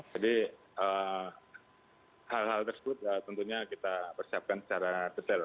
jadi hal hal tersebut tentunya kita persiapkan secara besar